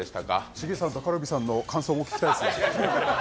チゲさんとカルビさんの感想も聞きたいですね。